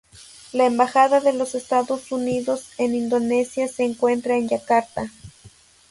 La Embajada de los Estados Unidos en Indonesia se encuentra en Yakarta.